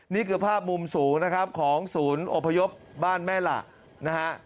นี่คือภาพมุมสูงนะครับของศูนย์อพยพบ้านแม่หละนะฮะ